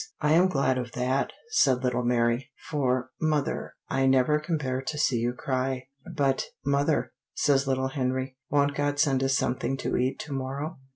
'" "I am glad of that," said little Mary, "for, mother, I never can bear to see you cry." "But, mother," says little Henry, "won't God send us something to eat to morrow?"